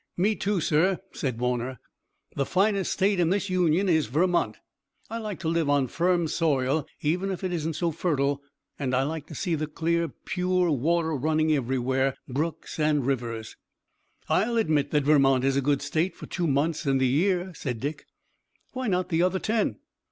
"Me too, sir," said Warner. "The finest state in this Union is Vermont. I like to live on firm soil, even if it isn't so fertile, and I like to see the clear, pure water running everywhere, brooks and rivers." "I'll admit that Vermont is a good state for two months in the year," said Dick. "Why not the other ten?"